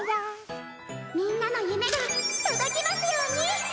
みんなの夢が届きますように！